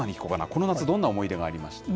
この夏、どんな思い出がありました？